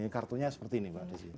kartunya seperti ini mbak desi